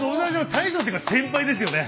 大将っていうか先輩ですよね。